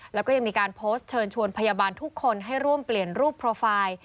แล้วก็ยังมีการโพสต์เชิญชวนพยาบาลทุกคนให้ร่วมเปลี่ยนรูปโปรไฟล์